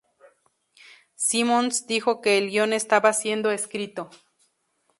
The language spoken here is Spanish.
Simmons dijo que el guion estaba siendo escrito.